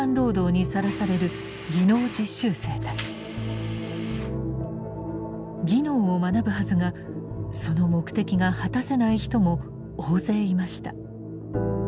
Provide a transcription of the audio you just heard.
技能を学ぶはずがその目的が果たせない人も大勢いました。